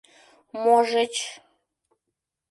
Можыч...